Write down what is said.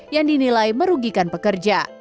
yang dinilai merugikan pekerja